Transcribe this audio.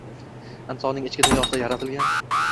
Insonning ichki dunyosida yaratilgan